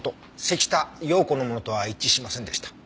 関田陽子のものとは一致しませんでした。